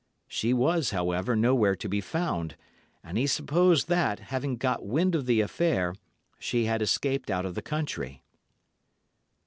She was, however, nowhere to be found, and he supposed that, having got wind of the affair, she had escaped out of the country.